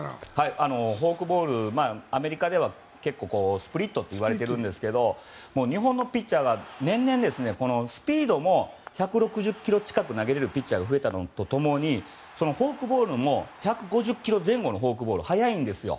フォークボールアメリカでは結構スプリットって言われているんですけど日本のピッチャーが年々、スピードも１６０キロ近く投げられるピッチャーが増えたのと共にフォークボールも１５０キロ前後のフォークボール速いんですよ。